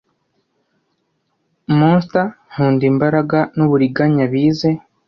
monster nkunda imbaraga nuburiganya bize